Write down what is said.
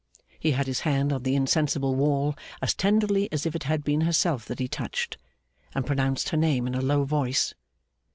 He had his hand on the insensible wall as tenderly as if it had been herself that he touched, and pronounced her name in a low voice.